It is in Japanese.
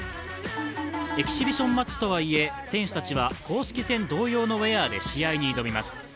エキシビションマッチとはいえ、選手たちは公式戦同様のウエアで試合に挑みます。